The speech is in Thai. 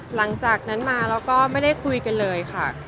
หลังจากนั้นมาแล้วก็ไม่ได้คุยกันเลยค่ะ